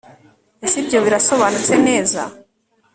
ese ibyo birasobanutse neza